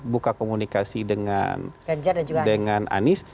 buka komunikasi dengan ganjar dan juga anies